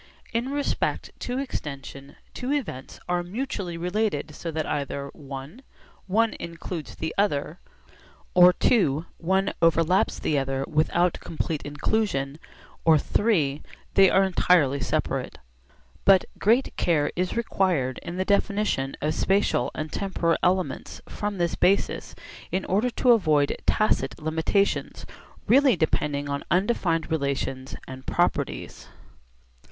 In respect to extension two events are mutually related so that either (i) one includes the other, or (ii) one overlaps the other without complete inclusion, or (iii) they are entirely separate. But great care is required in the definition of spatial and temporal elements from this basis in order to avoid tacit limitations really depending on undefined relations and properties.